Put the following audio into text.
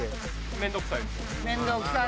面倒くさいよね！